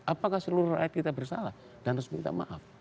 apakah seluruh rakyat kita bersalah dan harus minta maaf